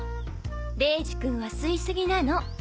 玲治君は吸い過ぎなの！